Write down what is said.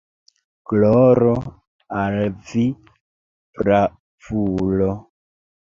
Gloro al vi, bravulo!